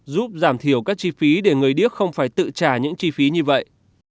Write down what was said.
giúp giảm thiểu các chi phí để người điếc không phải tự trả những chi phí như vậy